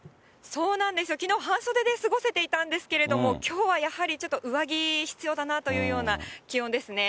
そうなんですよ、きのう、半袖で過ごせていたんですけれども、きょうはやはりちょっと上着必要だなというような気温ですね。